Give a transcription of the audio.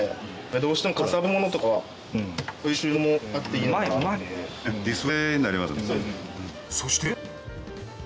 どうしてもかさばるものとかはこういう収納もあっていいのかなって。